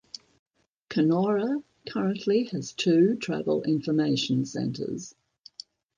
Kenora currently has two travel information centers.